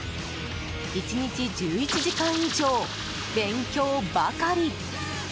１日１１時間以上、勉強ばかり。